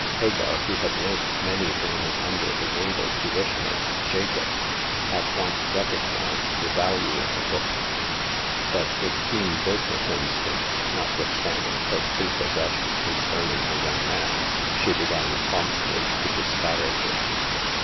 Hagar, who had learnt many things under the able tuition of Jacob, at once recognized the value of the book ; but with keen business instinct — notwithstanding her pre possession concerning the young man — she began promptly to disparage it.